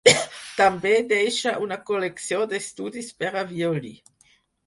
També deixà una col·lecció d'estudis per a violí.